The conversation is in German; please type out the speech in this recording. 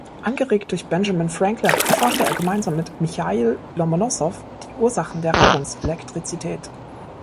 Angeregt durch Benjamin Franklin erforschte er gemeinsam mit Michail Lomonossow die Ursachen der Reibungselektrizität.